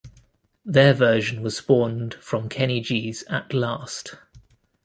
Their version was spawned from Kenny G's At Last...